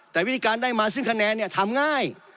แต่วิธีการได้มาซึ่งคะแนนเนี่ยทำง่าย